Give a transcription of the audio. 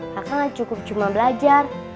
kakak gak cukup cuma belajar